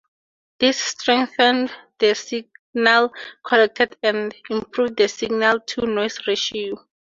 This strengthened the signal collected and improved the signal-to-noise ratio.